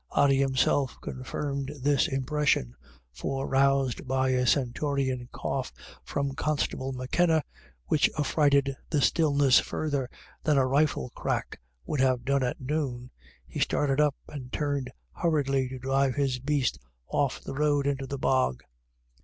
Ody himself confirmed this impression. For roused by a stentorian cough from Constable M'Kenna, which affrighted the stillness further than a rifle crack would have done at noon, he started up, and turned hurriedly to drive his beast off the road into the bog.